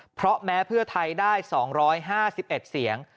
เพราะแม้เพื่อไทยได้๒๕๑เสียง